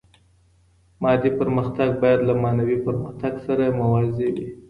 مادي پرمختګ باید له معنوي پرمختګ سره موازي وي.